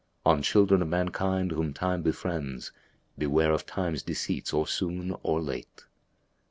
Oh children of mankind whom Time befriends, * Beware of Time's deceits or soon or late!'''